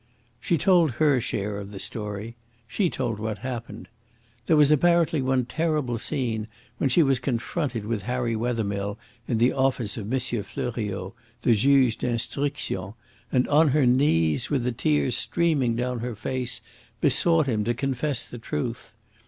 She told her share of the story she told what happened. There was apparently one terrible scene when she was confronted with Harry Wethermill in the office of Monsieur Fleuriot, the Juge d'instruction, and on her knees, with the tears streaming down her face, besought him to confess the truth.